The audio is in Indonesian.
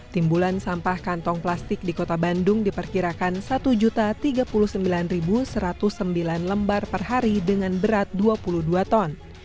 timbulan sampah kantong plastik di kota bandung diperkirakan satu tiga puluh sembilan satu ratus sembilan lembar per hari dengan berat dua puluh dua ton